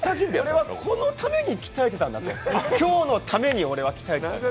俺はこのために鍛えていたんだと、今日のために俺は鍛えてたんだ。